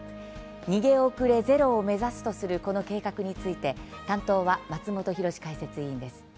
「逃げ遅れゼロを目指す」とするこの計画について担当は松本浩司解説委員です。